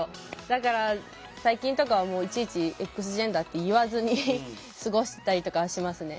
だから最近とかはいちいちＸジェンダーって言わずに過ごしたりとかはしますね。